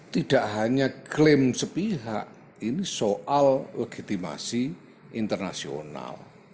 tidak hanya klaim sepihak ini soal legitimasi internasional